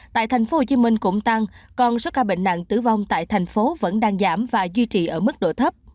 tại tp hcm cũng tăng còn số ca bệnh nặng tử vong tại thành phố vẫn đang giảm và duy trì ở mức độ thấp